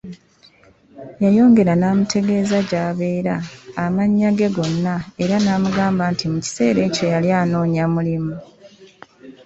Yayongera n'amutegeeza gy'abeera, amannya ge gonna, era n'amugamba nti mu kiseera ekyo yali anoonya mulimu.